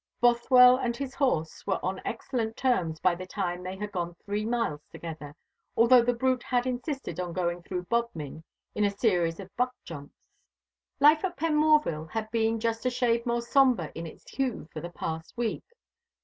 Bothwell and his horse were on excellent terms by the time they had gone three miles together, although the brute had insisted on going through Bodmin in a series of buck jumps. Life at Penmorval had been just a shade more sombre in its hue for the last week.